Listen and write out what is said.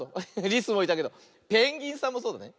リスもいたけどペンギンさんもそうだね。